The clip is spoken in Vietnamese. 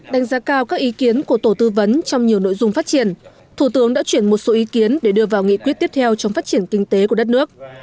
đánh giá cao các ý kiến của tổ tư vấn trong nhiều nội dung phát triển thủ tướng đã chuyển một số ý kiến để đưa vào nghị quyết tiếp theo trong phát triển kinh tế của đất nước